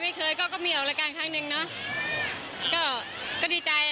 ไม่เคยไม่เคยก็มีอาจารย์กันกลางนะก็ดีใจนะ